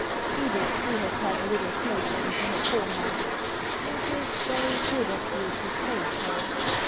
Edith drew herself a little closer into her comer. •* It is very good of you to say so.